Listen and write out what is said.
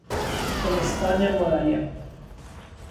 زمستان ملایم